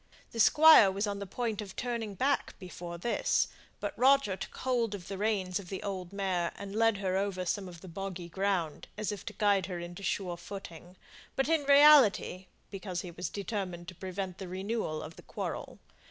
The Squire was on the point of turning back before this, but Roger took hold of the reins of the old mare, and led her over some of the boggy ground, as if to guide her into sure footing, but, in reality, because he was determined to prevent the renewal of the quarrel.